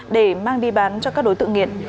để mang đi bán cho các đối tượng nghiện